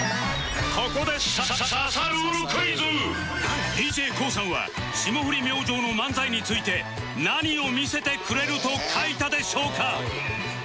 ここでＤＪＫＯＯ さんは霜降り明星の漫才について何を見せてくれると書いたでしょうか？